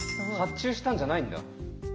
発注したんじゃないんだ。